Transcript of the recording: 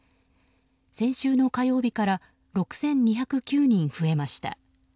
先週の火曜日から６２０９人増えました。